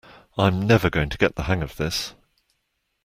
I’m never going to get the hang of this.